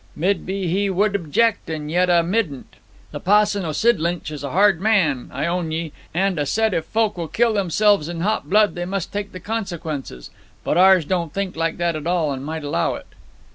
'Mid be he would object, and yet 'a mid'nt. The pa'son o' Sidlinch is a hard man, I own ye, and 'a said if folk will kill theirselves in hot blood they must take the consequences. But ours don't think like that at all, and might allow it.'